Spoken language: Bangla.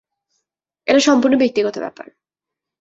এটা সম্পূর্ণ ব্যক্তিগত ব্যাপার।